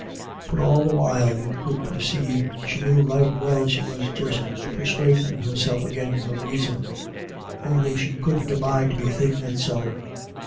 But all the while you could perceive she knew right well she was just persuadin' herself agin her raison ; ony she couldn't abide to be thinkin' so.